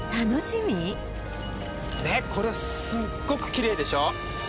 ねっこれすっごくきれいでしょ？